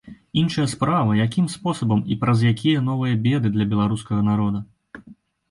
Іншая справа, якім спосабам і праз якія новыя беды для беларускага народа.